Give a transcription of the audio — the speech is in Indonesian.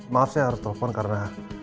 maaf saya harus telepon karena